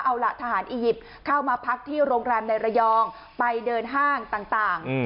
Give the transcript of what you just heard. เอาล่ะทหารอียิปต์เข้ามาพักที่โรงแรมในระยองไปเดินห้างต่าง